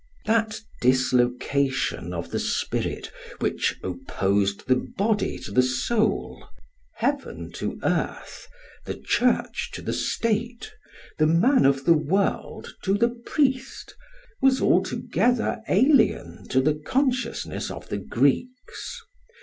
That dislocation of the spirit which opposed the body to the soul, heaven to earth, the church to the state, the man of the world to the priest, was altogether alien to the consciousness of the Greeks.